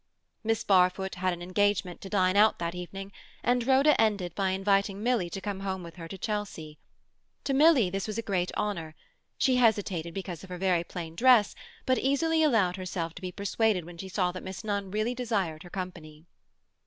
Miss Barfoot had an engagement to dine out that evening, and Rhoda ended by inviting Milly to come home with her to Chelsea. To Milly this was a great honour; she hesitated because of her very plain dress, but easily allowed herself to be persuaded when she saw that Miss Nunn really desired her company.